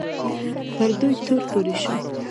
پر دوی تور پورې شو